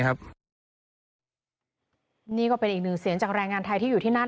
นี่ก็เป็นอีกหนึ่งเสียงจากแรงงานไทยที่อยู่ที่นั่น